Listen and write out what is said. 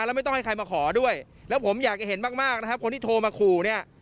แล้วไม่ต้องให้ใครมาขอด้วยแล้วผมอยากจะเห็นมากมากนะครับคนที่โทรมาขู่เนี่ย